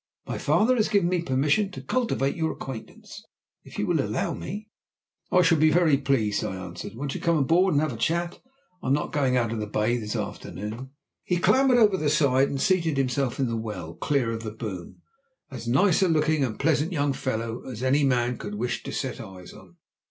My father has given me permission to cultivate your acquaintance, if you will allow me." "I shall be very pleased," I answered. "Won't you come aboard and have a chat? I'm not going out of the bay this afternoon." He clambered over the side and seated himself in the well, clear of the boom, as nice looking and pleasant a young fellow as any man could wish to set eyes on.